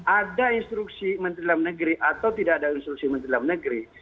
ada instruksi menteri dalam negeri atau tidak ada instruksi menteri dalam negeri